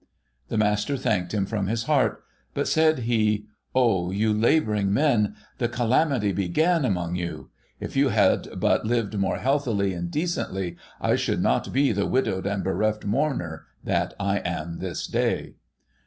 The Master thanked him from his heart, but, said he, ' O you labouring men ! The calamity began among you. If you had but lived more healthily and decently, I should not be the widowed and bereft mourner that I am this day.'